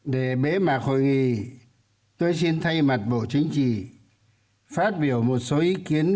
để bế mạc hội nghị tôi xin thay mặt bộ chính trị phát biểu một số ý kiến